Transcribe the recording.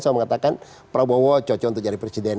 saya mengatakan prabowo cocok untuk jadi presiden